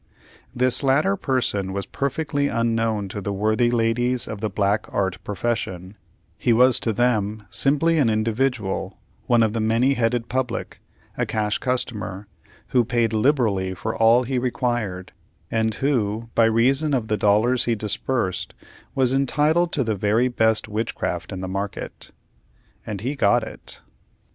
This latter person was perfectly unknown to the worthy ladies of the black art profession; he was to them simply an individual, one of the many headed public, a cash customer, who paid liberally for all he required, and who, by reason of the dollars he disbursed, was entitled to the very best witchcraft in the market. And he got it.